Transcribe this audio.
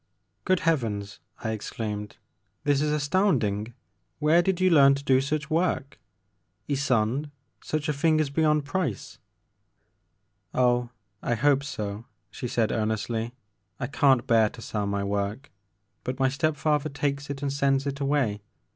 Good Heavens !" I exclaimed, this is as tounding ! Where did you learn to do such work ? Ysonde, such a thing is beyond price !"Oh, I hope so," she said earnestly, I can't bear to sell my work, but my step father takes it and sends it away.